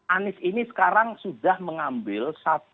anies ini sekarang sudah mengambil